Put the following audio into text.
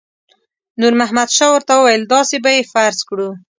نور محمد شاه ورته وویل داسې به یې فرض کړو.